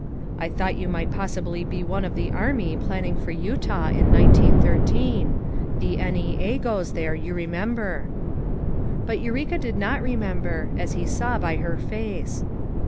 I thought you might possibly be one of the army planning for Utah in 1913. The N. E. A. goes there, you re member." But Eureka did not remember, as he saw by her face.